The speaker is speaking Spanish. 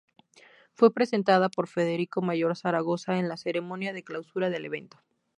Fue presentada por Federico Mayor Zaragoza en la ceremonia de clausura del evento.